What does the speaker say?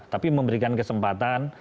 tapi memberikan kesempatan